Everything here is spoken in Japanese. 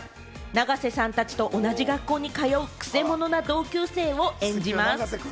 永瀬さんたちと同じ学校に通う、くせ者な同級生を演じます。